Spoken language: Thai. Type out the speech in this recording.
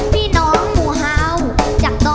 ยังเพราะความสำคัญ